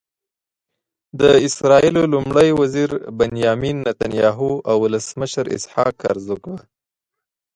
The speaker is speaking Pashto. د اسرائیلو لومړي وزير بنیامین نتنیاهو او ولسمشر اسحاق هرزوګ به.